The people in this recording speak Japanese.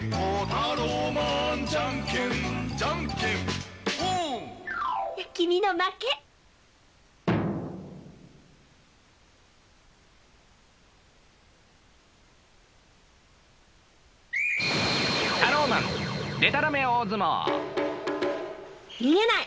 「タローマンじゃんけん」「じゃんけんポン！」逃げない。